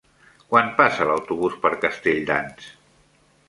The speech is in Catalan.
Quan passa l'autobús per Castelldans?